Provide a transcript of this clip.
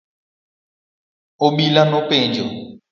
Obila nopenjo.